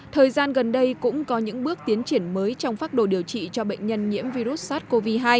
thời gian gần đây cũng có những bước tiến triển mới trong phác đồ điều trị cho bệnh nhân nhiễm virus sars cov hai